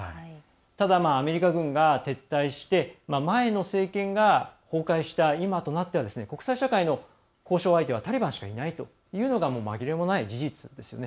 ただ、アメリカ軍が撤退して前の政権が崩壊した今となっては国際社会の交渉相手はタリバンしかいないというのが紛れもない事実ですよね。